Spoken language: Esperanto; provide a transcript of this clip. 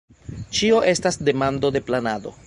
Ĉio estas demando de planado.